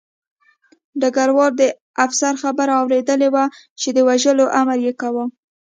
ډګروال د افسر خبره اورېدلې وه چې د وژلو امر یې کاوه